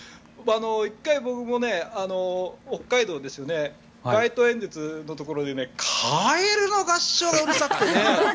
１回、僕も北海道で街頭演説のところでカエルの合唱がうるさくてね。